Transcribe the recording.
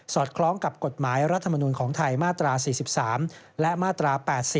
คล้องกับกฎหมายรัฐมนุนของไทยมาตรา๔๓และมาตรา๘๐